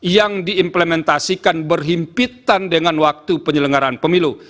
yang diimplementasikan berhimpitan dengan waktu penyelenggaraan pemilu